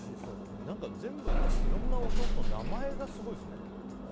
全部お豆腐の名前がすごいですね。